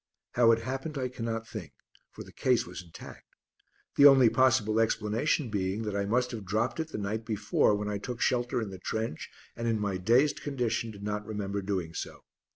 How it happened I cannot think, for the case was intact, the only possible explanation being that I must have dropped it the night before when I took shelter in the trench and in my dazed condition did not remember doing so.